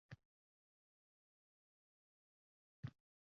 Yana tebrandi va u shundagina yer qimirlayotganini payqab qoldi.